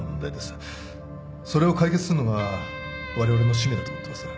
それを解決するのがわれわれの使命だと思ってます。